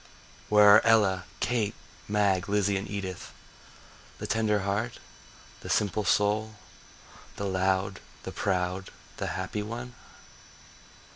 Where are Ella, Kate, Mag, Lizzie and Edith, The tender heart, the simple soul, the loud, the proud, the happy one?